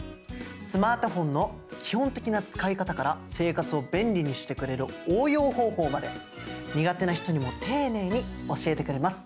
スマートフォンの基本的な使い方から生活を便利にしてくれる応用方法まで苦手な人にも丁寧に教えてくれます。